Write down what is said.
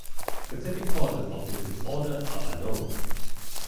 Specific causes of this disorder are unknown.